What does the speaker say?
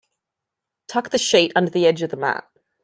Tuck the sheet under the edge of the mat.